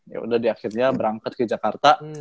ya udah akhirnya berangkat ke jakarta